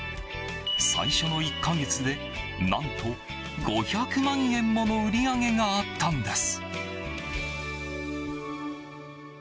最初の１か月で何と５００万円もの売り上げがあったんです。